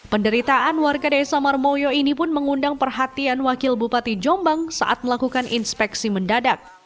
penderitaan warga desa marmoyo ini pun mengundang perhatian wakil bupati jombang saat melakukan inspeksi mendadak